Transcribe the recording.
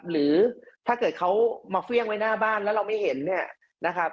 หรือถ้าเกิดเขามักเฟี้ยงไว้หน้าบ้านแล้วเราไม่เห็น